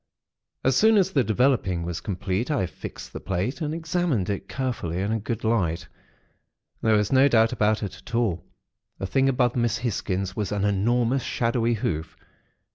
"As soon as the developing was complete, I fixed the plate, and examined it carefully in a good light. There was no doubt about it at all; the thing above Miss Hisgins was an enormous, shadowy hoof.